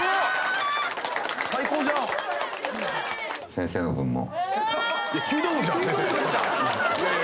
先生の分も。